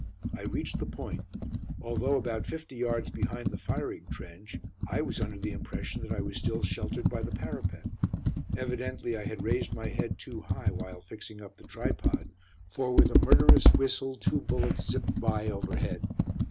I reached the point. Although about fifty yards behind the firing trench, I was under the impression that I was still sheltered by the parapet. Evidently I had raised my head too high while fixing up the tripod, for with a murderous whistle two bullets "zipped" by overhead.